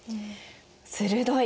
鋭い。